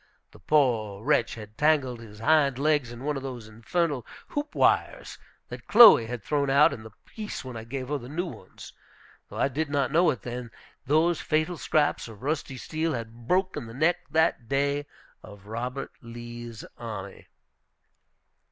The poor wretch had tangled his hind legs in one of those infernal hoop wires that Chloe had thrown out in the piece when I gave her her new ones. Though I did not know it then, those fatal scraps of rusty steel had broken the neck that day of Robert Lee's army.